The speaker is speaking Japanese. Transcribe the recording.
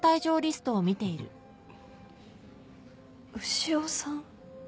潮さん。